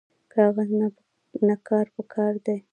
کاغذ نه کار پکار دی